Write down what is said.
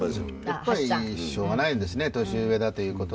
やっぱりしょうがないですね。年上だという事と。